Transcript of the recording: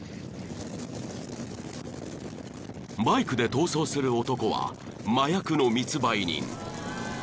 ［バイクで逃走する男は麻薬の密売人］